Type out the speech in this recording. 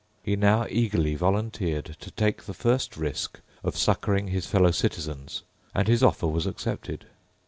He now eagerly volunteered to take the first risk of succouring his fellow citizens; and his offer was accepted.